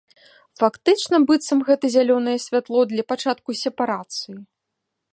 Фактычна быццам гэта зялёнае святло для пачатку сепарацыі.